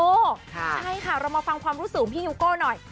เรามาฟังความรู้สึกของพี่ฮิวโก้หน่อย